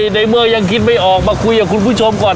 ในเมื่อยังคิดไม่ออกมาคุยกับคุณผู้ชมก่อน